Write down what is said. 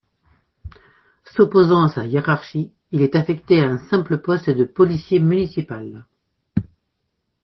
S'opposant à sa hiérarchie, il est affecté à un simple poste de policier municipal.